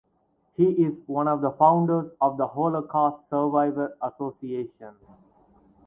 He is one of the founders of the Holocaust Survivor Association.